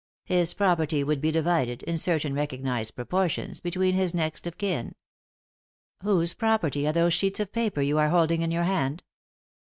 His property would be divided, in certain recognised proportions, between his next of kin." "Whose property are those sheets of paper you are holding in your hand